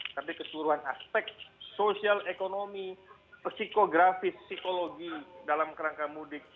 tapi keseluruhan aspek sosial ekonomi psikografis psikologi dalam kerangka mudik